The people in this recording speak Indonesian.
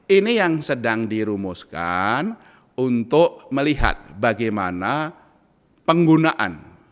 ini yang sedang dirumuskan untuk melihat bagaimana penggunaan